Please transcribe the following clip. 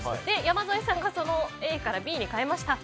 山添さんがＡからＢに変えました。